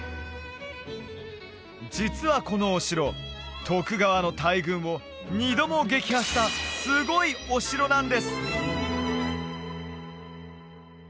実はこのお城徳川の大軍を２度も撃破したすごいお城なんです！